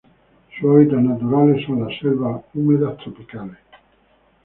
Sus hábitats naturales son las selvas húmedos tropicales.